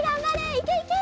いけいけ！